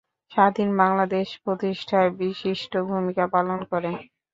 স্বাধীন বাংলাদেশ প্রতিষ্ঠায় বিশিষ্ট ভূমিকা পালন করেন।